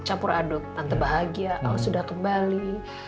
campur adut tante bahagia al sudah kembali